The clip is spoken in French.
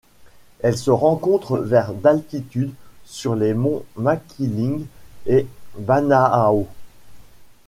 Elle se rencontre vers d'altitude sur les monts Maquiling et Banahao.